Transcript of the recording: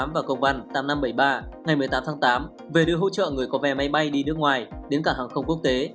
và công văn tám nghìn năm trăm bảy mươi ba ngày một mươi tám tháng tám về đưa hỗ trợ người có vé máy bay đi nước ngoài đến cảng hàng không quốc tế